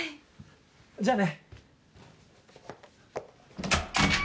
じゃあね。